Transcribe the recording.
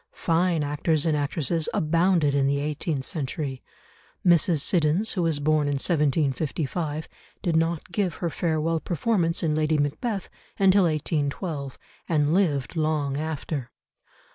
Fine actors and actresses abounded in the eighteenth century; Mrs. Siddons, who was born in 1755, did not give her farewell performance in Lady Macbeth until 1812, and lived long after.